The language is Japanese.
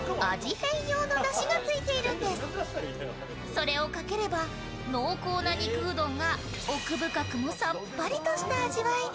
それをかければ濃厚な肉うどんが奥深くもさっぱりとした味わいに。